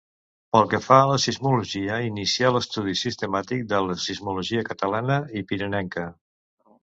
Pel que fa a la sismologia inicià l'estudi sistemàtic de la sismologia catalana i pirinenca.